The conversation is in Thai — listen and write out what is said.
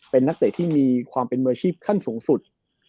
เป็นนักเตะที่มีความเป็นมืออาชีพขั้นสูงสุด